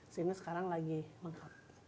sini sekarang lagi lengkap